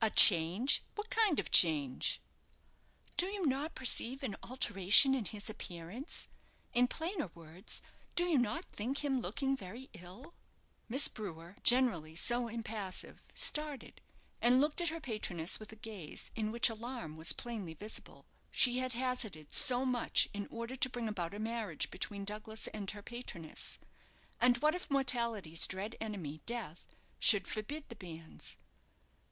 "A change! What kind of change?" "Do you not perceive an alteration in his appearance? In plainer words, do you not think him looking very ill?" Miss Brewer, generally so impassive, started, and looked at her patroness with a gaze in which alarm was plainly visible. She had hazarded so much in order to bring about a marriage between Douglas and her patroness; and what if mortality's dread enemy, Death, should forbid the banns?